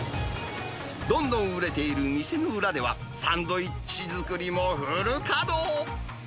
どんどん売れている店の裏では、サンドイッチ作りもフル稼働。